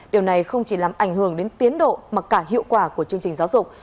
điều này không chỉ làm ảnh hưởng đến tiến độ mà cả hiệu quả của chương trình giáo dục